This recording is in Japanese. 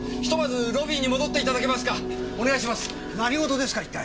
ひとまずロビーに戻っていただけますか。